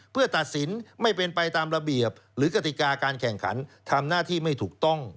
เพื่อตัดสินไม่เป็นไปตามระเบียบหรือกติกาการแข่งขันทำหน้าที่ไม่ถูกต้อง